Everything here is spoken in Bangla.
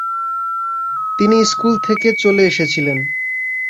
তিনি স্কুল থেকে চলে এসেছিলেন।